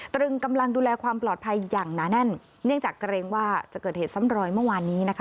ตรึงกำลังดูแลความปลอดภัยอย่างหนาแน่นเนื่องจากเกรงว่าจะเกิดเหตุซ้ำรอยเมื่อวานนี้นะคะ